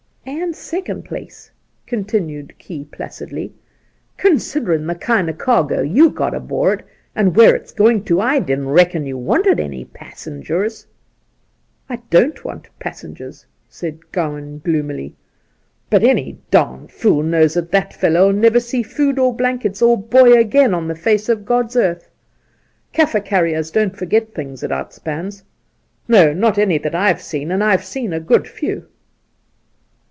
' And second place,' continued Key placidly, ' considerin' the kind o' cargo you've got aboard, and where it's going to, I didn't reckon you wanted any passengers I' ' I don't want passengers,' said Gowan gloomily ;' but any d d fool knows that that fellow '11 never see food or blankets or " boy " again on the face of God's earth. Kaffir carriers don't forget things at outspans. Noy not any that I've seen, and I've seen a good few.'